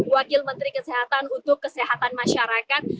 wakil menteri kesehatan untuk kesehatan masyarakat